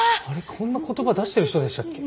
こんな言葉出してる人でしたっけ？